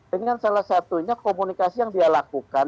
dengan salah satunya komunikasi yang dia lakukan